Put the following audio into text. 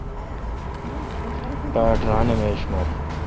باڑ ران اہ میش مور۔